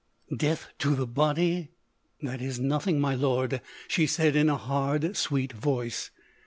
"Death to the body? That is nothing, my lord!" she said, in a hard, sweet voice.